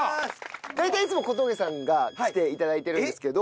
大体いつも小峠さんが来て頂いているんですけど。